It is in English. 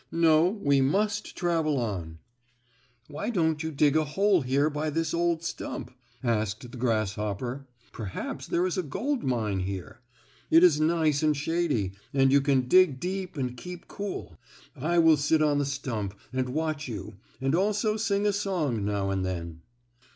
No, we must travel on." "Why don't you dig a hole here by this old stump?" asked the grasshopper. "Perhaps there is a gold mine here. It is nice and shady, and you can dig deep and keep cool. I will sit on the stump and watch you, and also sing a song now and then."